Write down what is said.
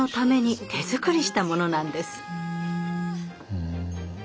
ふん。